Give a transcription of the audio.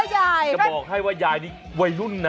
จะบอกให้ว่ายายนี่วัยรุ่นนะ